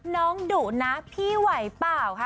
น้องดุนะพี่ไหวเปล่าค่ะ